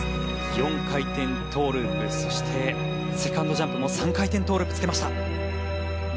４回転トウループそしてセカンドジャンプも３回転トウループつけました。